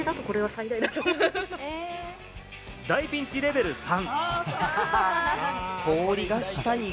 大ピンチレベル３。